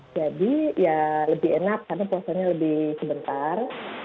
jadi ya lebih enak karena puasanya lebih sebentar